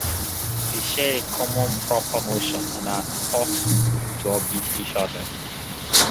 They share a common proper motion and are thought to orbit each other.